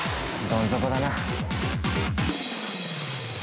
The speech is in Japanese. どん底だな。